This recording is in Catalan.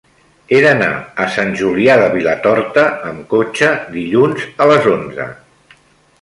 He d'anar a Sant Julià de Vilatorta amb cotxe dilluns a les onze.